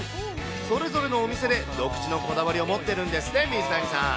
それぞれのお店で、独自のこだわりを持ってるんですって、水谷さん。